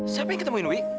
siapa yang ketemuin wik